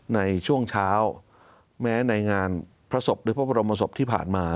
ในช่วงเช้าแม้ในงานพระศพหรือพระบรมศพที่ผ่านมา